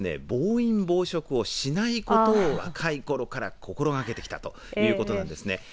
暴飲暴食をしないことを若いころから心がけてきたということなんですね。